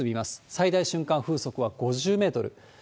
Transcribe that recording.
最大瞬間風速は５０メートル。